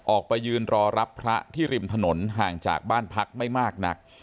ออกไปยืนรอรับพระที่ริมถนนห่างจากบ้านพักไม่มากนัก